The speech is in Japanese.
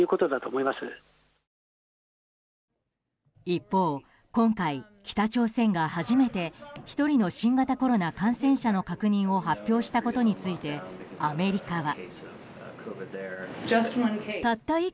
一方、今回、北朝鮮が初めて１人の新型コロナ感染者の確認を発表したことについてアメリカは。